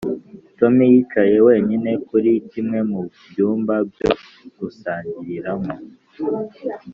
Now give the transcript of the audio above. tom yicaye wenyine kuri kimwe mu byumba byo gusangiriramo.